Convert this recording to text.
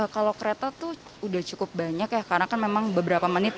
kalau kereta tuh udah cukup banyak ya karena kan memang beberapa menit